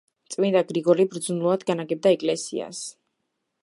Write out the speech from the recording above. წმინდა გრიგოლი ბრძნულად განაგებდა ეკლესიას.